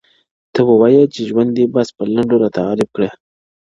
o ته و وایه چي ژوند دي بس په لنډو را تعریف کړه,